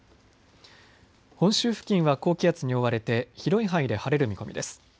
本州付近は高気圧に覆われて広い範囲で晴れる見込みです。